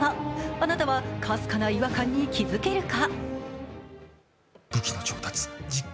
あなたはかすかな違和感に気づけるか？